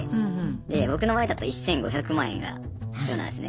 で僕の場合だと１５００万円が必要なんですね。